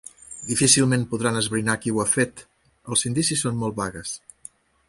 Difícilment podran esbrinar qui ho ha fet: els indicis són molt vagues.